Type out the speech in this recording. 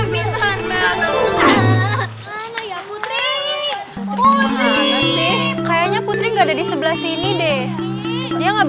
putri saya putri nggak ada di sebelah sini deh dia